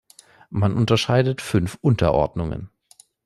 Man unterscheidet fünf Unterordnungen